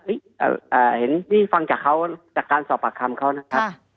นี่เห็นนี่ฟังจากเขาจากการสอบปากคำเขานะครับ